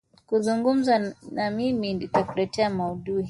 Kuzungumza na mimi itakuletea maadui.